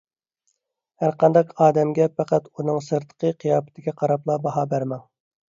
ھەر قانداق ئادەمگە پەقەت ئۇنىڭ سىرتقى قىياپىتىگە قاراپلا باھا بەرمەڭ.